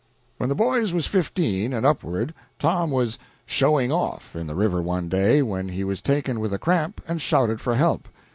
When the boys were fifteen and upward, Tom was "showing off" in the river one day, when he was taken with a cramp, and shouted for help.